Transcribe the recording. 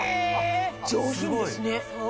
上品ですねへぇ。